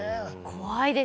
怖いです。